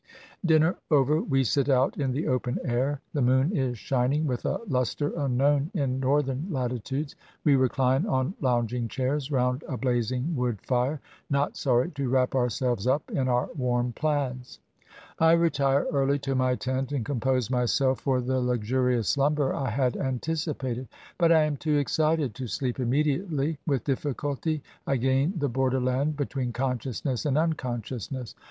Dinner over, we sit out in the open air. The moon is shining with a luster unknown in Northern latitudes. We recUne on lounging chairs round a blazing wood lire, not sorry to wrap ourselves up in our warm plaids. I retire early to my tent and compose myself for the luxu rious slumber I had anticipated. But I am too excited to sleep immediately. With difficulty I gain the border land between consciousness and unconsciousness.